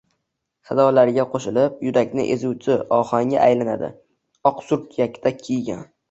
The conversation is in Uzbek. sadolariga qo'shilib, yurakni ezuvchi ohangga aylanadi... Oq surp yaktak kiygan